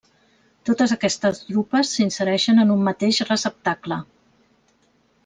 Totes aquestes drupes s'insereixen en un mateix receptacle.